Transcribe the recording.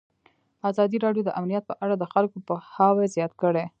ازادي راډیو د امنیت په اړه د خلکو پوهاوی زیات کړی.